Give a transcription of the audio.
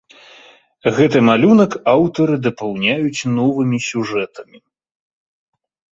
Гэты малюнак аўтары дапаўняюць новымі сюжэтамі.